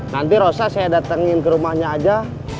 nanti rosa saya datangin ke rumahnya aja